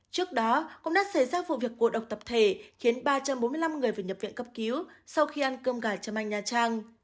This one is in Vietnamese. trước đó cũng đã xảy ra vụ việc cổ độc tập thể khiến ba trăm bốn mươi năm người phải nhập viện cấp cứu sau khi ăn cơm gà châm anh nha trang